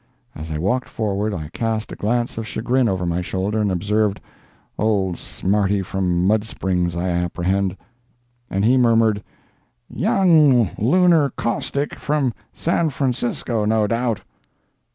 As I walked forward I cast a glance of chagrin over my shoulder and observed, "Old Smarty from Mud Springs, I apprehend." And he murmured, "Young Lunar Caustic from San Francisco, no doubt."